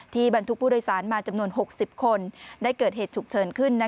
บรรทุกผู้โดยสารมาจำนวน๖๐คนได้เกิดเหตุฉุกเฉินขึ้น